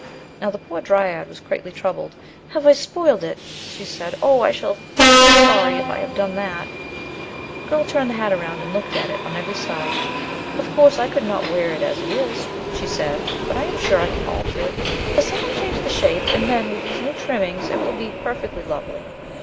Now the poor dryad was greatly troubled. "Have I spoiled it ?" she said. "Oh! I shall be too sorry if I have done that." '7 THE LOST DRYAD The girl turned the hat around and looked at it on every side. "Of course, I could not wear it as it is," she said, "but I am sure I can alter it. Yes, I can change the shape and then, with these new trimmings, it will be perfectly lovely.